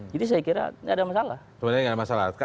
jadi saya kira tidak ada masalah